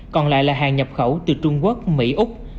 còn lại là hàng nhập khẩu từ trung quốc mỹ úc